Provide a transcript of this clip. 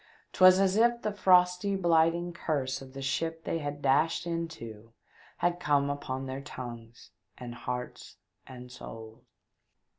'Twas as if the frosty, blighting Curse of the ship they had dashed into had come upon their tongues, and hearts and souls.